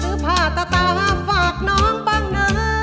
ซื้อผ้าตาตาฝากน้องป่าเงิน